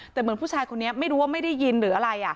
แต่เหมือนผู้ชายคนนี้ไม่รู้ว่าไม่ได้ยินหรืออะไร